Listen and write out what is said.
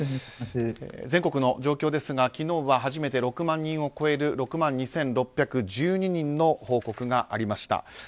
全国の状況ですが昨日は初めて６万人を超える６万２６１２人の報告がありました。